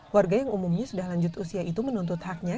warga yang umumnya sudah lanjut usia itu menuntut haknya